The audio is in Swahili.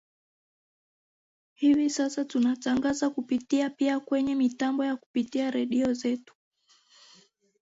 hivi sasa tunatangaza kupitia pia kwenye mitambo ya kupitia redio zetu